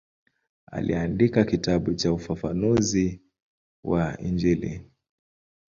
Aliandika kitabu cha ufafanuzi wa Injili.